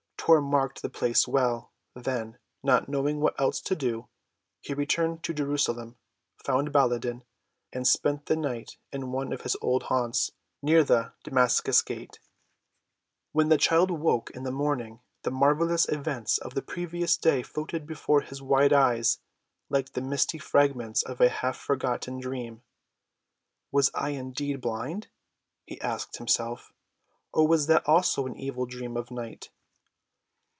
Tor marked the place well, then, not knowing what else to do, he returned to Jerusalem, found Baladan, and spent the night in one of his old haunts near the Damascus Gate. When the child awoke in the morning the marvelous events of the previous day floated before his wide eyes like the misty fragments of a half‐ forgotten dream. "Was I indeed blind?" he asked himself; "or was that also an evil dream of night?"